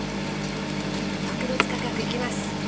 特別価格いきます。